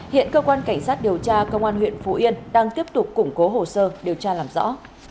hiện cơ quan cảnh sát điều tra công an huyện phủ yên đang tiếp tục củng cố hồ sơ điều tra làm rõ